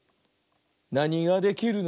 「なにができるの？